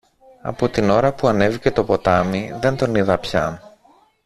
Από την ώρα που ανέβηκε το ποτάμι, δεν τον είδα πια.